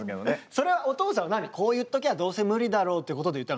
それはお父さんは何こう言っときゃどうせ無理だろうってことで言ったの？